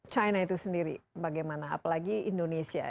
china itu sendiri bagaimana apalagi indonesia